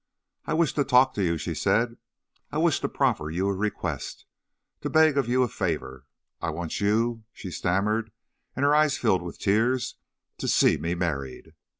"'I wish to talk to you,' she said. 'I wish to proffer you a request; to beg of you a favor. I want you,' she stammered and her eyes filled with tears, 'to see me married.'